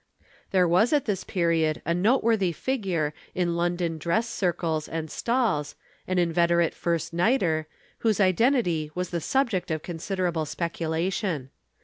There was at this period a noteworthy figure in London dress circles and stalls, an inveterate first nighter, whose identity was the subject of considerable speculation.